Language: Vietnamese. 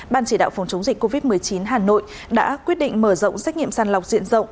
ban chỉ đạo phòng chống dịch covid một mươi chín hà nội đã quyết định mở rộng xét nghiệm sàng lọc diện rộng